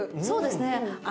そうですね。